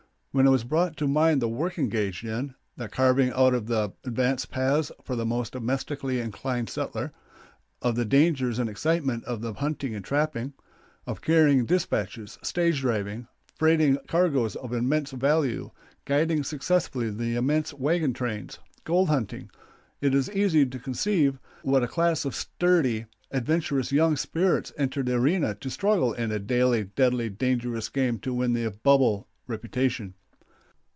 When it is brought to mind the work engaged in the carving out of the advance paths for the more domestically inclined settler; of the dangers and excitements of hunting and trapping; of carrying dispatches, stage driving, freighting cargoes of immense value, guiding successfully the immense wagon trains, gold hunting it is easy to conceive what a class of sturdy, adventurous young spirits entered the arena to struggle in a daily deadly, dangerous game to win the "bubble reputation."